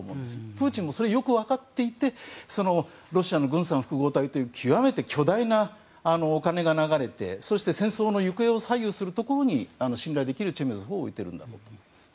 プーチンもそれはよく分かっていてロシアの軍産複合体という極めて巨大なお金が流れてそして、戦争の行方を左右するところに信頼できるチェメゾフを置いているんだと思います。